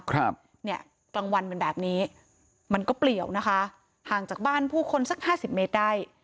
กลางวันเป็นแบบนี้มันก็เปลี่ยวนะคะห่างจากบ้านผู้คนสัก๕๐เมตรได้